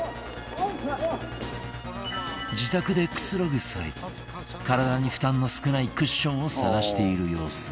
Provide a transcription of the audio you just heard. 自宅でくつろぐ際体に負担の少ないクッションを探している様子